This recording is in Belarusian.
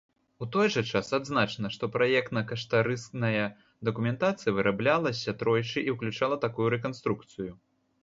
У той жа час адзначана што праектна-каштарысная дакументацыя выраблялася тройчы і ўключала такую рэканструкцыю.